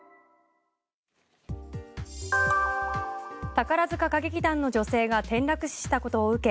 宝塚歌劇団の女性が転落死したことを受け